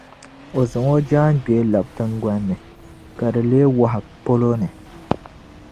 O zaŋ o jaangbee labi tiŋgbani ni, ka di leei wahu polo ni.